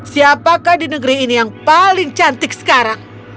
siapakah di negeri ini yang paling cantik sekarang